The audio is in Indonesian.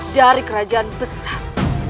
dari kerajaan besar